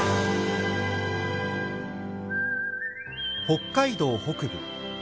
北海道北部